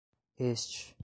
este